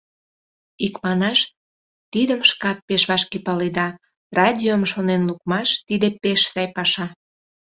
Икманаш, тидым шкат пеш вашке паледа: радиом шонен лукмаш — тиде пеш сай паша!